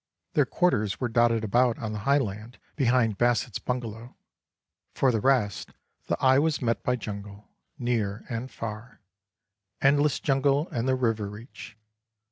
Their quarters were dotted about on the high land behind Basset's bungalow. For the rest, the eye was met by jungle near and far endless jungle, and the river reach.